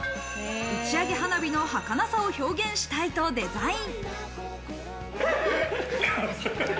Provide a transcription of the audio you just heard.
打ち上げ花火のはかなさを表現したいとデザイン。